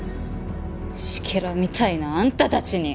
虫けらみたいなあんたたちに！